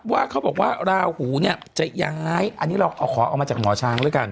ว่าเขาบอกว่าราหูเนี่ยจะย้ายอันนี้เราเอาขอเอามาจากหมอช้างแล้วกัน